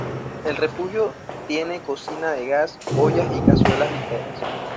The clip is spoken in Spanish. El refugio tiene cocina de gas, ollas y cazuelas y literas.